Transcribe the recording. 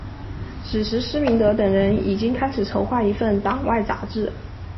此时施明德等人就已经开始筹划一份党外杂志。